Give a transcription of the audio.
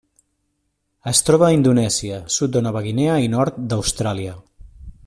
Es troba a Indonèsia, sud de Nova Guinea i nord d'Austràlia.